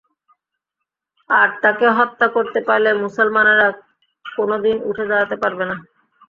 আর তাঁকে হত্যা করতে পারলে মুসলমানরা কোন দিন উঠে দাঁড়াতে পারবে না।